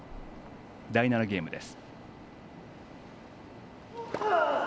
第７ゲームです。